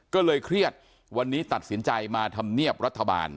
ก็เลยเครียดวันนี้ตัดสินใจมาทำเนียบรัฐบาล